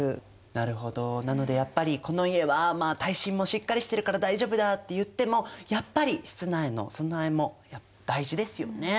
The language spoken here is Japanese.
なるほどなのでやっぱりこの家は耐震もしっかりしてるから大丈夫だっていってもやっぱり室内の備えも大事ですよね。